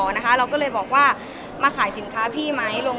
เราก็เลยบอกว่ามาขายสินค้าพี่ไหมลง